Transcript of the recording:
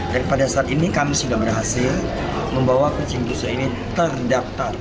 dan pada saat ini kami sudah berhasil membawa kucing busok ini terdaptar